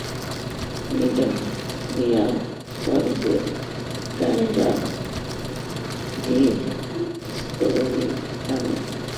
Cnidaria পর্বের প্রাণীরা দ্বিস্তরী প্রাণী।